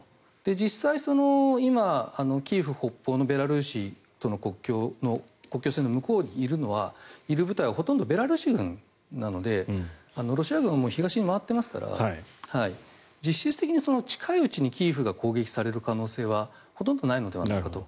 実際、今、キーウ北方のベラルーシとの国境線の向こうにいる部隊はほとんどベラルーシ軍なのでロシア軍はもう東に回っていますから実質的に近いうちにキーウが攻撃される可能性はほとんどないのではないかと。